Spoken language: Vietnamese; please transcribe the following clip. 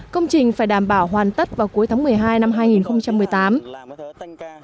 công trình phải đảm bảo hoàn tất vào cuối tháng một mươi hai năm hai nghìn một mươi tám